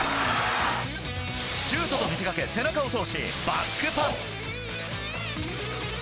シュートと見せかけ背中を通しバックパス。